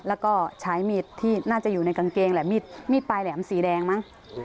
แล้วก็ใช้มีดที่น่าจะอยู่ในกางเกงแหละมีดปลายแหลมสีแดงมั้ง